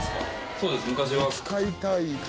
そうです昔は。